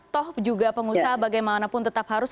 toh juga pengusaha bagaimanapun tetap harus